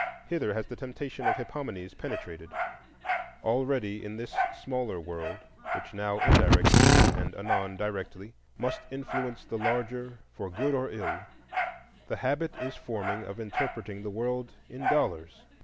Hither has the temptation of Hippomenes penetrated; already in this smaller world, which now indirectly and anon directly must influence the larger for good or ill, the habit is forming of interpreting the world in dollars.